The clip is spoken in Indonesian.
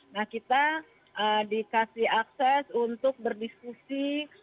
nah kita dikasih akses untuk berdiskusi